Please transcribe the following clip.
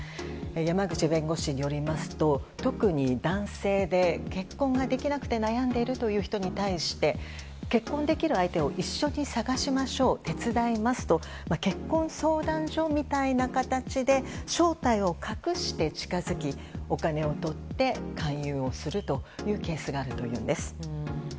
山口弁護士によりますと特に男性で結婚ができなくて悩んでいるという人に対して結婚ができる相手を一緒に探しましょう手伝いますと結婚相談所みたいな形で正体を隠して、近づきお金を取って勧誘をするというケースがあるそうなんです。